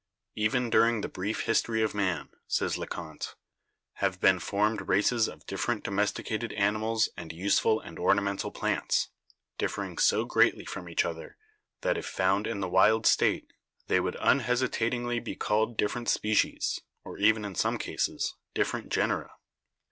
"Even during the brief history of man," says Le Conte, "have been formed races of different domesticated animals and use ful and ornamental plants, differing so greatly from each other that if found in the wild state they would unhesitat ingly be called different species, or even in some cases different genera."